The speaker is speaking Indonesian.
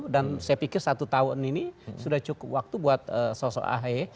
dan saya pikir satu tahun ini sudah cukup waktu buat sosok ahe